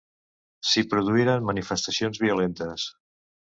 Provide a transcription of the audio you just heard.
S'hi produïren manifestacions violentes.